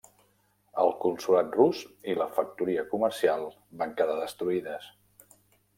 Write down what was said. El consolat rus i la factoria comercial van quedar destruïdes.